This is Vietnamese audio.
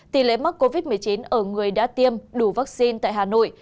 tỷ lệ mắc covid một mươi chín ở người đã tiêm đủ vaccine tại hà nội